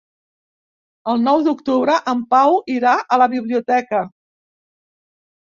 El nou d'octubre en Pau irà a la biblioteca.